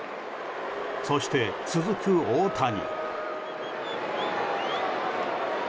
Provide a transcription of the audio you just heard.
そして続く大谷。